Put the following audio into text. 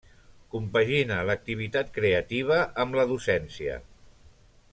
Compagina l'activitat creativa amb la docència.